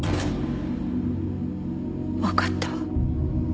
わかったわ。